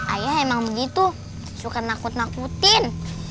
ayah emang begitu suka nakut nakutin